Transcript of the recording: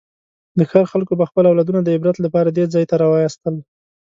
د ښار خلکو به خپل اولادونه د عبرت لپاره دې ځای ته راوستل.